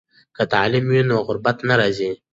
که تعلیم وي نو غربت نه راځي.